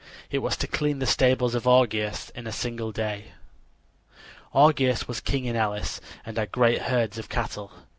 It was to clean the stables of Augeas in a single day. Augeas was king in Elis and had great herds of cattle.